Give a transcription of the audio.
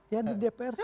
ya di dpr sih